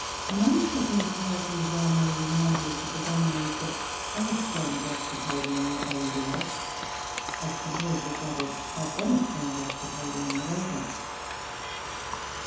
Among such indications I may remind you of the predominance of Holostome Gasteropoda in the older rocks as compared with that of Siphonostone Gasteropoda in the later.